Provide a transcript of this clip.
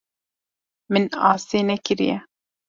Min asê nekiriye.